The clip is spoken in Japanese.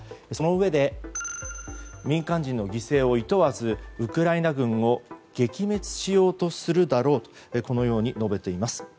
そのうえで民間人の犠牲をいとわずウクライナ軍を撃滅しようとするだろうとこのように述べています。